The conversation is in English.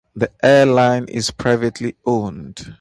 The airline is privately owned.